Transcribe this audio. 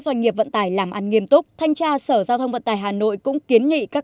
doanh nghiệp vận tải làm ăn nghiêm túc thanh tra sở giao thông vận tải hà nội cũng kiến nghị các